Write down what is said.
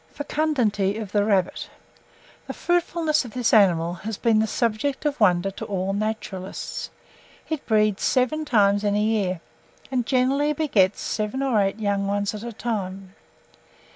FECUNDITY OF THE RABBIT. The fruitfulness of this animal has been the subject of wonder to all naturalists. It breeds seven times in the year, and generally begets seven or eight young ones at a time.